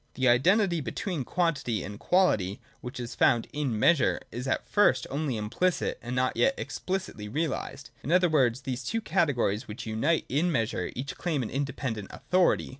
The identity between quantity and quality, which is found in Measure, is at first only implicit, and not yet explicitly realised. In other words, these two categories, which unite in Measure, each claim an independent authority.